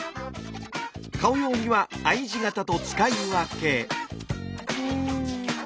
顔用にはＩ字型と使い分け。